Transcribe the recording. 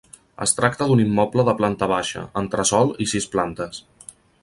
Es tracta d'un immoble de planta baixa, entresòl i sis plantes.